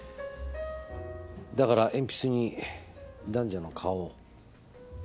だから鉛筆に男女の顔を。